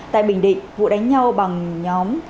tại bình định vụ đánh nhau bằng nhau